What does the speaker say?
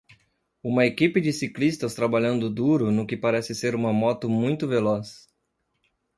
Uma equipe de ciclistas trabalhando duro no que parece ser uma moto muito veloz.